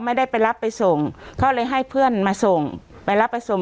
ไม่ได้ไปรับไปส่งเขาเลยให้เพื่อนมาส่งไปรับไปส่ง